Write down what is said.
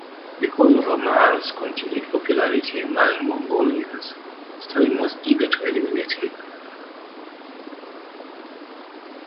Because of Amar's continued popularity among Mongolians, Stalin was eager to eliminate him.